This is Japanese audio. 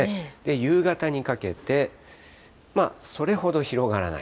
夕方にかけて、それほど広がらない。